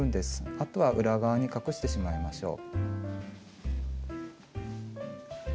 あとは裏側に隠してしまいましょう。